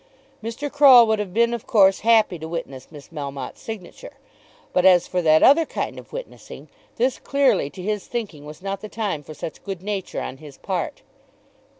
Mr. Croll would have been of course happy to witness Miss Melmotte's signature; but as for that other kind of witnessing, this clearly to his thinking was not the time for such good nature on his part.